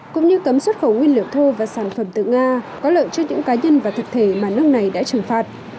cũng như cấm xuất khẩu nguyên liệu thô và sản phẩm từ nga có lợi cho những cá nhân và thực thể mà nước này đã trừng phạt